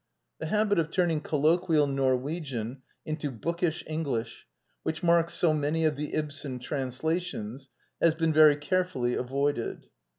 The habit of turning colloquial Nor wegian into bookish English, which marks so many of the Ibsen translations, has been very carefully avoided.